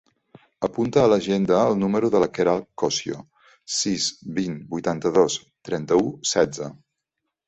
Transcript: Apunta a l'agenda el número de la Queralt Cosio: sis, vint, vuitanta-dos, trenta-u, setze.